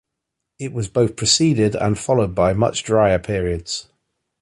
It was both preceded and followed by much drier periods.